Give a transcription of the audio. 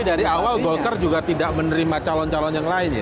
dari awal golkar juga tidak menerima calon calon yang lain ya